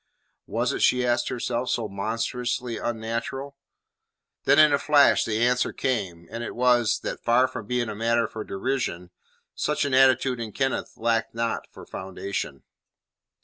Was it, she asked herself, so monstrously unnatural? Then in a flash the answer came and it was, that far from being a matter for derision, such an attitude in Kenneth lacked not for foundation.